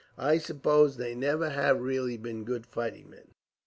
I suppose they never have been really good fighting men.